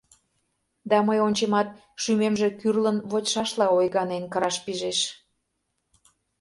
Да мый ончемат, шӱмемже кӱрлын вочшашла ойганен кыраш пижеш.